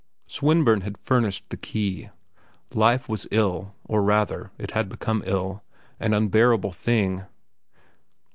Swinburne had furnished the key. Life was ill, or, rather, it had become ill—an unbearable thing.